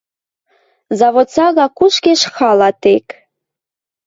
Завод сага кушкеш хала тек.